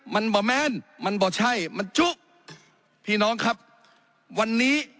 มันบ่แมนมันบ่ใช่มันจุพี่น้องครับวันนี้